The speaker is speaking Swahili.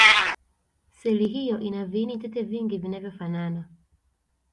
seli hiyo ina viini tete vingi vinavyofanana